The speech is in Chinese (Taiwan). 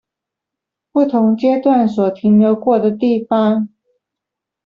不同階段所停留過的地方